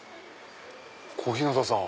小日向さん。